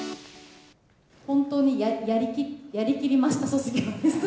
本当にやりきりました卒業です。